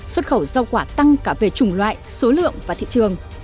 xuất khẩu rau quả tăng cả về chủng loại số lượng và thị trường